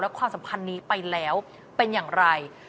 ความสัมพันธ์นี้ไปแล้วเป็นอย่างไร